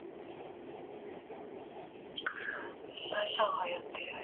The Leveson-Gower family owned extensive lands in Staffordshire, Shropshire and Yorkshire.